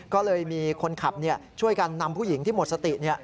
ก็เลยมีคนขับช่วยกันนำผู้หญิงที่หมดสติ